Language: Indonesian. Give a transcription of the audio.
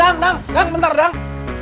dang dang dang bentar dang